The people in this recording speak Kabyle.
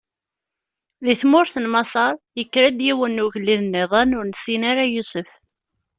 Di tmurt n Maṣer, ikker-d yiwen n ugellid-nniḍen ur nessin ara Yusef.